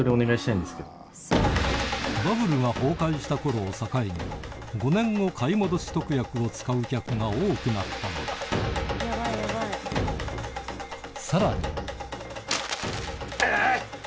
バブルが崩壊した頃を境に５年後買い戻し特約を使う客が多くなったのださらにえい！